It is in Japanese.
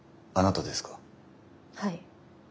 はい。